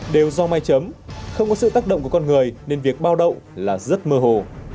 đều do may chấm không có sự tác động của con người nên việc bao đậu là rất mơ hồ